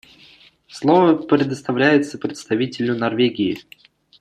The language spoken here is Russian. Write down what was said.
Слово предоставляется представителю Норвегии.